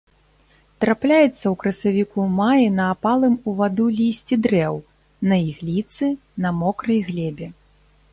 Трапляецца ў красавіку-маі на апалым у ваду лісці дрэў, на ігліцы, на мокрай глебе.